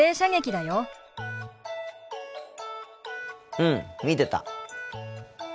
うん見てた。